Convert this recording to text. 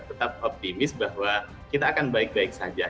tetap optimis bahwa kita akan baik baik saja